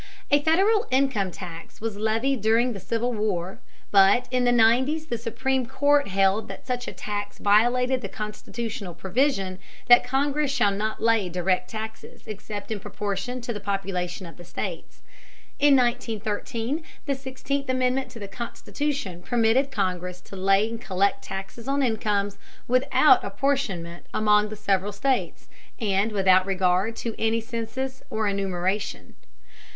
A Federal income tax was levied during the Civil War, but in the nineties the Supreme Court held that such a tax violated the constitutional provision that Congress shall not lay direct taxes except in proportion to the population of the states. In 1913 the Sixteenth Amendment to the Constitution permitted Congress to lay and collect taxes on incomes without apportionment among the several states, and without regard to any census or enumeration.